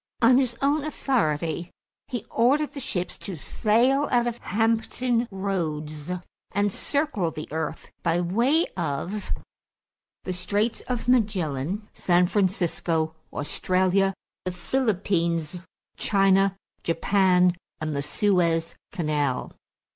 On his own authority, he ordered the ships to sail out of Hampton Roads and circle the earth by way of the Straits of Magellan, San Francisco, Australia, the Philippines, China, Japan, and the Suez Canal.